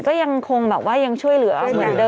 ก็ยังช่วยเหลือเหมือนเดิม